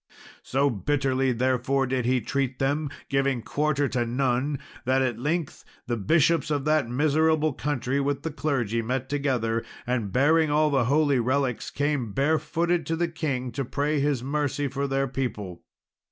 So bitterly, therefore, did he treat them, giving quarter to none, that at length the bishops of that miserable country with the clergy met together, and, bearing all the holy relics, came barefooted to the king to pray his mercy for their people.